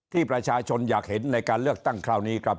ที่ประชาชนอยากเห็นในการเลือกตั้งคราวนี้ครับ